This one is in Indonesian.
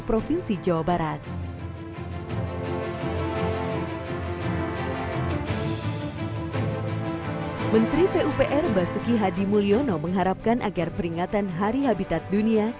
provinsi jawa barat menteri pupr basuki hadi mulyono mengharapkan agar peringatan hari habitat dunia